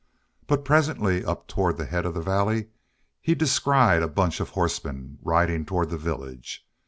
But presently up toward the head of the valley he descried a bunch of horsemen riding toward the village.